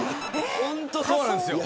本当にそうなんですよ